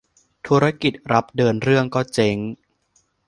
ธุรกิจรับเดินเรื่องก็เจ๊ง